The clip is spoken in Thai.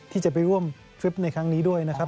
ที่จะไปร่วมทริปในครั้งนี้ด้วยนะครับ